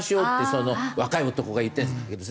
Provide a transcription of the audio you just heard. その若い男が言ってるんですけど。